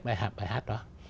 ngài hát bài hát đó